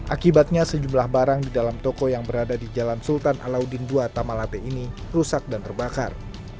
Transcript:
akibatnya sejumlah barang di dalam toko yang berada di jalan sultan alaudin ii tamalate ini rusak dan terbakar